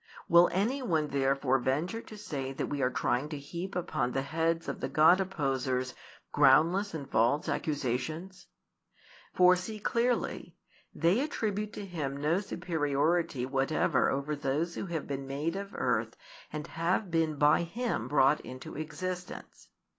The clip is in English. Will any one therefore venture to say that we are trying to heap upon the heads of the God opposers groundless and false accusations'? For see clearly, they attribute to Him no superiority whatever over those who have been made of earth and have been by Him brought into existence.